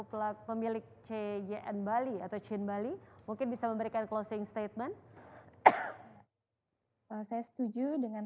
pelaku pemilik cgn bali atau chin bali mungkin bisa memberikan closing statement saya setuju dengan